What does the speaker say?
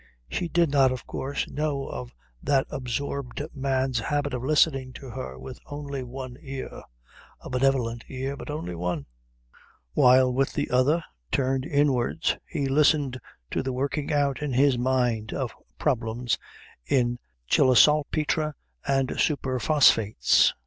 She did not of course know of that absorbed man's habit of listening to her with only one ear a benevolent ear, but only one while with the other, turned inwards, he listened to the working out in his mind of problems in Chilisaltpetre and super phosphates.